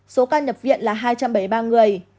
số ca nhập viện là hai trăm bảy mươi ba người